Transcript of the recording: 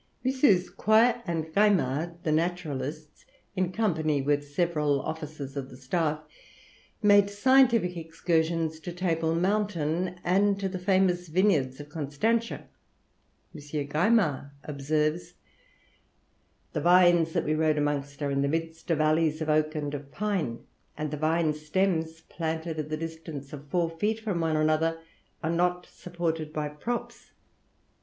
MM. Quoy and Gaimard, the naturalists, in company with several officers of the staff, made scientific excursions to Table Mountain and to the famous vineyards of Constantia. M. Gaimard observes, "The vines that we rode amongst are in the midst of alleys of oak and of pine; and the vine stems, planted at the distance of four feet from one another, are not supported by props.